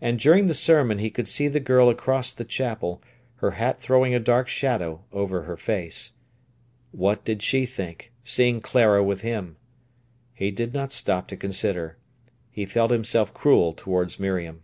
And during the sermon he could see the girl across the chapel, her hat throwing a dark shadow over her face. What did she think, seeing Clara with him? He did not stop to consider. He felt himself cruel towards Miriam.